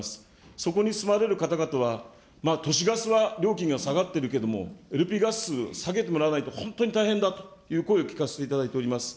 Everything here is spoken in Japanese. そこに住まわれる方々は、都市ガスは料金が下がってるけども、ＬＰガス、下げてもらわないと本当に大変だという声を聞かせていただいております。